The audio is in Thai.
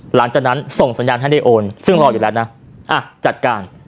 หลังจากนั้นส่งสัญญาณให้ได้โอนซึ่งรออยู่แล้วนะอ่ะจัดการ